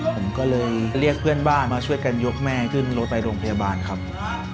ผมก็เลยเรียกเพื่อนบ้านมาช่วยกันยกแม่ขึ้นรถไปโรงพยาบาลครับ